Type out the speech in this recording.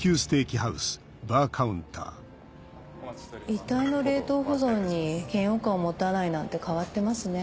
遺体の冷凍保存に嫌悪感を持たないなんて変わってますね。